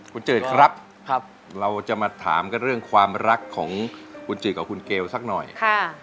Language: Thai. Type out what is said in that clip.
คุณจืดครับเราจะมาถามกันเรื่องความรักของคุณจืดกับคุณเกลสักหน่อยค่ะ